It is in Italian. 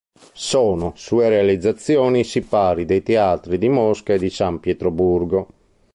Sono sue realizzazioni i sipari dei teatri di Mosca e di San Pietroburgo.